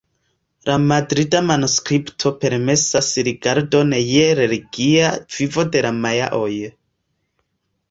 La Madrida manuskripto permesas rigardon je religia vivo de la majaoj.